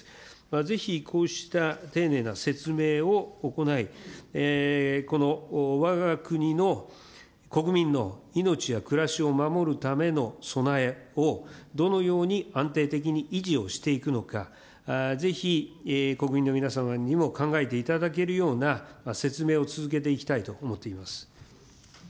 ぜひ、こうした丁寧な説明を行い、わが国の国民の命や暮らしを守るための備えをどのように安定的に維持をしていくのか、ぜひ、国民の皆様にも考えていただけるような説明を続けていきたいと思っています。